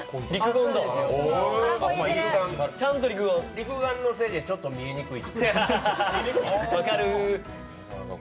肉眼のせいでちょっと見づらい。